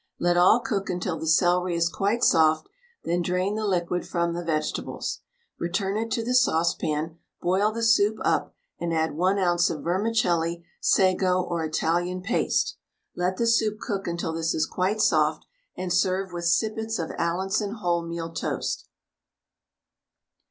Let all cook until the celery is quite soft, then drain the liquid from the vegetables. Return it to the saucepan, boil the soup up, and add 1 oz. of vermicelli, sago, or Italian paste; let the soup cook until this is quite soft, and serve with sippets of Allinson wholemeal toast.